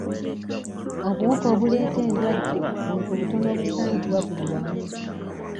Obuwuka obuleeta endwadde buntu butono obusangibwa buli wamu.